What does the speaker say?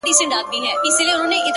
اوس پر ما لري؛